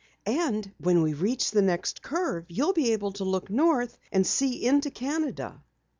And when we reach the next curve you'll be able to look north and see into Canada."